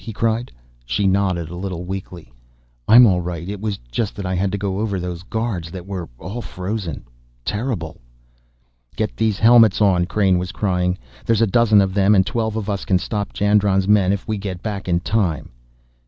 he cried. She nodded a little weakly. "I'm all right. It was just that I had to go over those guards that were all frozen.... Terrible!" "Get these helmets on!" Crain was crying. "There's a dozen of them, and twelve of us can stop Jandron's men if we get back in time!"